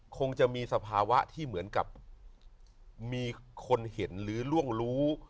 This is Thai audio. คงจะมีสภาวะที่เหมือนกับมีคนเห็นหรือล่วงรู้